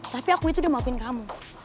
tapi aku itu udah maafin kamu